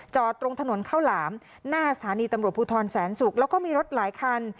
ตรงถนนข้าวหลามหน้าสถานีตำรวจภูทรแสนศุกร์แล้วก็มีรถหลายคัน